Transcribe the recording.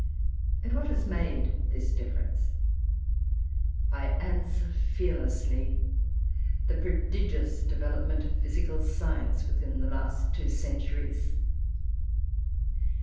And what has made this difference? I answer fearlessly The prodigious development of physical science within the last two centuries.